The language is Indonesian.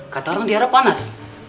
kata orang di arab panas